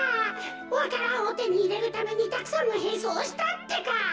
わか蘭をてにいれるためにたくさんのへんそうをしたってか。